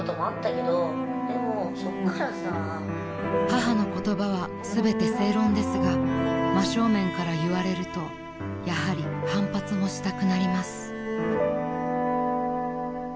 ［母の言葉は全て正論ですが真正面から言われるとやはり反発もしたくなります］